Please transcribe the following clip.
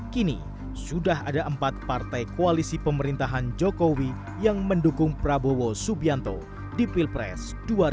kini sudah ada empat partai koalisi pemerintahan jokowi yang mendukung prabowo subianto di pilpres dua ribu sembilan belas